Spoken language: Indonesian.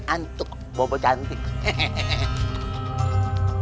antuk bobo cantik